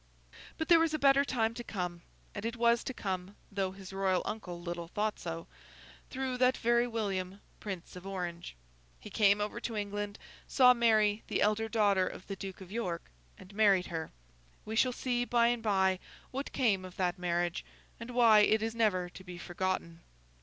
But there was a better time to come, and it was to come (though his royal uncle little thought so) through that very William, Prince of Orange. He came over to England, saw Mary, the elder daughter of the Duke of York, and married her. We shall see by and by what came of that marriage, and why it is never to be forgotten.